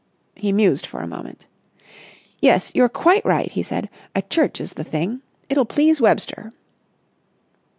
He mused for a moment. "Yes, you're quite right," he said. "A church is the thing. It'll please Webster."